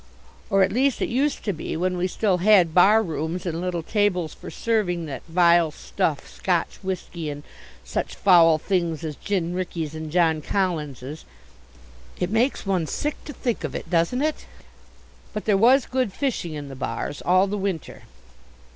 Or at least it used to be when we still had bar rooms and little tables for serving that vile stuff Scotch whisky and such foul things as gin Rickeys and John Collinses. It makes one sick to think of it, doesn't it? But there was good fishing in the bars, all the winter.